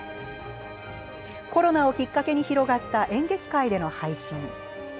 コロナをきっかけに広がった演劇界での配信。